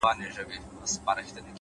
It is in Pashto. هوښیار انسان له هر حالت ګټه اخلي’